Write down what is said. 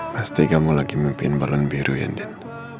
pasti kamu lagi memimpin balon biru ya din